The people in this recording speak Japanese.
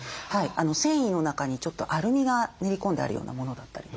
繊維の中にちょっとアルミが練り込んであるようなものだったりとか。